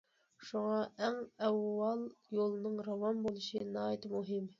شۇڭا، ئەڭ ئاۋۋال يولنىڭ راۋان بولۇشى ناھايىتى مۇھىم.